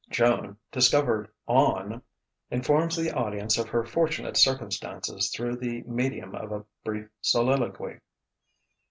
Joan, discovered "on", informs the audience of her fortunate circumstances through the medium of a brief soliloquy.